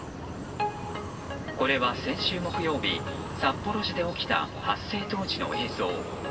これは先週木曜日札幌市で起きた発生当時の映像。